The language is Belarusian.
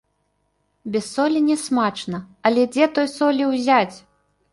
Без солі нясмачна, але дзе той солі ўзяць?